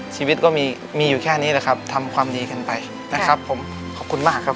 ชีวิตก็มีมีอยู่แค่นี้แหละครับทำความดีกันไปนะครับผมขอบคุณมากครับ